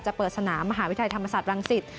เปิดสนามมหาวิทยาลัยธรรมศาสตรังสิต